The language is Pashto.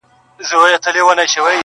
زخیرې مي کړلې ډیري شین زمری پر جنګېدمه-